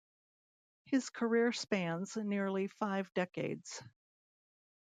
His career spans nearly five decades.